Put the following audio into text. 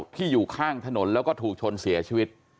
ที่อยู่ข้างถนนแล้วก็ถูกชนเสียชีวิต